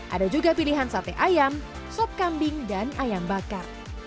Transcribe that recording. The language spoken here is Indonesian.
ada juga pilihan sate ayam sop kambing dan ayam bakar